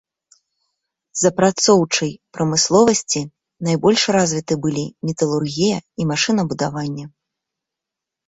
З апрацоўчай прамысловасць найбольш развіты былі металургія і машынабудаванне.